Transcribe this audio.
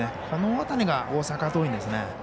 この辺りが大阪桐蔭ですね。